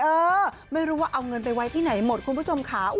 เออไม่รู้ว่าเอาเงินไปไว้ที่ไหนหมดคุณผู้ชมค่ะ